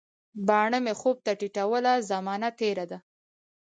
باڼه مي خوب ته ټیټوله، زمانه تیره ده